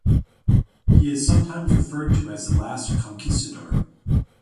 He is sometimes referred to as the Last Conquistador.